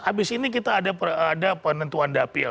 habis ini kita ada penentuan dapil